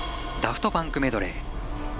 「ダフト・パンクメドレー」。